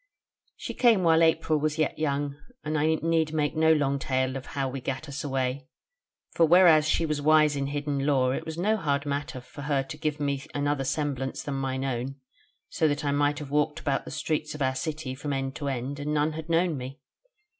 "She came while April was yet young: and I need make no long tale of how we gat us away: for whereas she was wise in hidden lore, it was no hard matter for her to give me another semblance than mine own, so that I might have walked about the streets of our city from end to end, and none had known me.